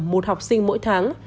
một học sinh mỗi tháng